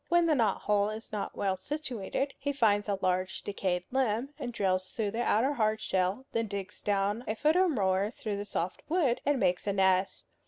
When the knot hole is not well situated, he finds a large decayed limb and drills through the outer hard shell, then digs down a foot or more through the soft wood, and makes a nest.